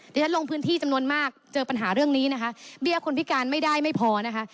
ที่ฉันลงพื้นที่จำนวนมากเจอปัญหาเรื่องนี้นะคะเบี้ยคนพิการไม่ได้ไม่พอนะคะ